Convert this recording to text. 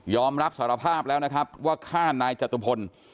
อมรับสารภาพแล้วนะครับว่าฆ่านายจตุพล